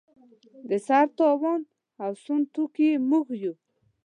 د سر تاوان او سوند توکي یې موږ یو.